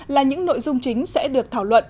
là những nội dung chính sẽ được thảo luận